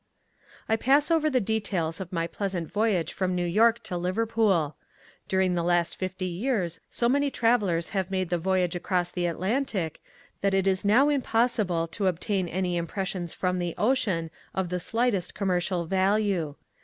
I pass over the details of my pleasant voyage from New York to Liverpool. During the last fifty years so many travellers have made the voyage across the Atlantic that it is now impossible to obtain any impressions from the ocean of the slightest commercial value.